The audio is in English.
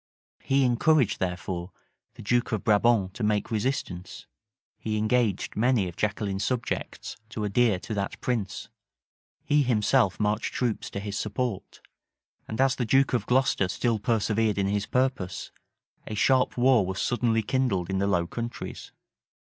He encouraged, therefore, the duke of Brabant to make resistance: he engaged many of Jaqueline's subjects to adhere to that prince: he himself marched troops to his support: and as the duke of Glocester still persevered in his purpose, a sharp war was suddenly kindled in the Low Countries.